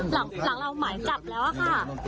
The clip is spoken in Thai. หลังเราหมายจับแล้วค่ะ